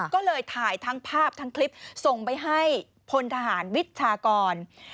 ก็เลยถ่ายทั้งภาพทั้งคลิปส่งไปให้พลทหารวิชากร